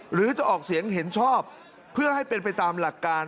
หรือจะออกเสียงเห็นชอบเพื่อให้เป็นไปตามหลักการ